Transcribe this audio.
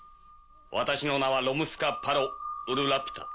私の名はロムスカ・パロ・ウル・ラピュタ。